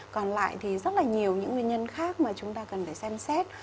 còn lại thì rất là nhiều những nguyên nhân khác mà chúng ta cần phải xem xét